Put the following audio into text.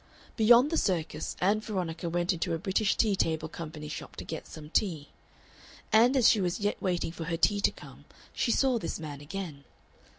Beyond the Circus Ann Veronica went into a British Tea Table Company shop to get some tea. And as she was yet waiting for her tea to come she saw this man again.